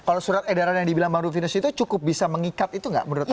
kalau surat edaran yang dibilang bang rufinus itu cukup bisa mengikat itu nggak menurut anda